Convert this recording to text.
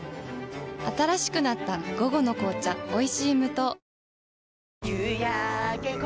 新しくなった「午後の紅茶おいしい無糖」